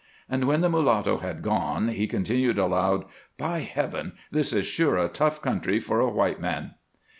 And, when the mulatto had gone, he continued aloud: "By Heaven! this is sure a tough country for a white man!"